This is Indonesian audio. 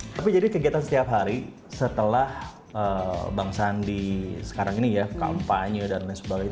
tapi jadi kegiatan setiap hari setelah bang sandi sekarang ini ya kampanye dan lain sebagainya